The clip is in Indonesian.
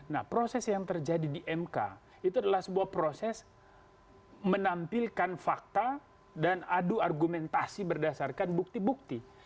nah proses yang terjadi di mk itu adalah sebuah proses menampilkan fakta dan adu argumentasi berdasarkan bukti bukti